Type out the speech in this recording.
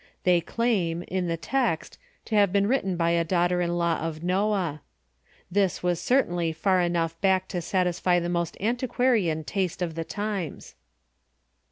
They claim, in the text, to have been written by a daughter in law of Noah. This was certainly far enough back to satisfy the most anti quarian taste of the times.